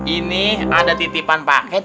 ini ada titipan paket